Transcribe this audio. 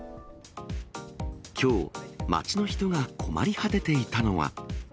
きょう、街の人が困り果てていたのは。